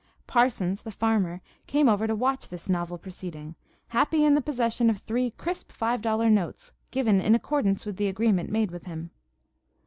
Parsons, the farmer, came over to watch this novel proceeding, happy in the possession of three crisp five dollar notes given in accordance with the agreement made with him.